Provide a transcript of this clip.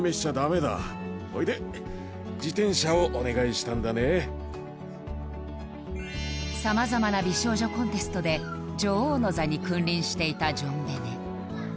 ジョンベネ様々な美少女コンテストで女王の座に君臨していたジョンベネ